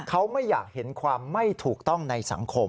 เขาไม่อยากเห็นความไม่ถูกต้องในสังคม